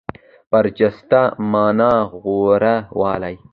برجسته مانا غوره والی.